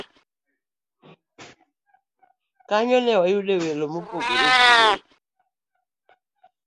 Kanyo ne wayudoe welo mopogore opogore